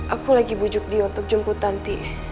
aku lagi bujuk dia untuk jemput nanti